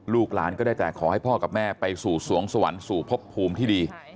หลานก็ได้แต่ขอให้พ่อกับแม่ไปสู่สวงสวรรค์สู่พบภูมิที่ดี